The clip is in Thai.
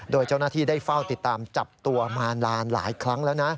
โดยเจ้าหน้าที่ได้เฝ้าติดตามจับตัวมานานหลายครั้งแล้วนะ